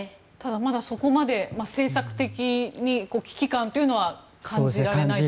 まだそこまで政策的に危機感というのは感じられないという。